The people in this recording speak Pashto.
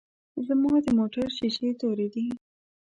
ځما دموټر شیشی توری دی.